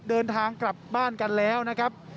เดินทางกลับบ้านกันแล้วนะครับ